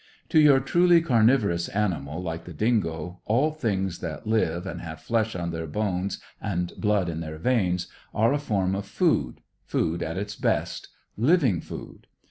To your truly carnivorous animal, like the dingo, all things that live, and have flesh on their bones and blood in their veins, are a form of food, food at its best, living food.